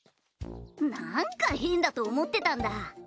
なんか変だと思ってたんだ。